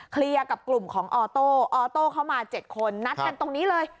กับกลุ่มของออโต้ออโต้เข้ามา๗คนนัดกันตรงนี้เลย